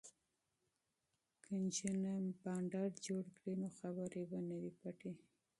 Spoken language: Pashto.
که نجونې مجلس جوړ کړي نو خبرې به نه وي پټې.